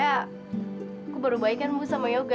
ya soalnya gue baru baikan bu sama yoga